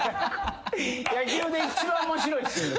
野球で一番面白いシーン。